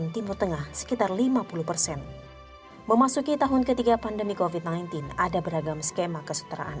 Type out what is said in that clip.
bisa membayar dokter